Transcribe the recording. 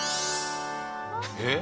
えっ？